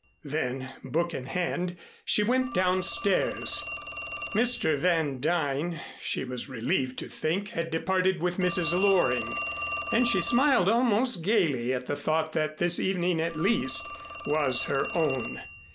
Then, book in hand, she went down stairs. Mr. Van Duyn, she was relieved to think, had departed with Mrs. Loring, and she smiled almost gaily at the thought that this evening at least was her own.